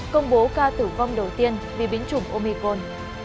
công bố ca tử vong đầu tiên vì biến chủng omicon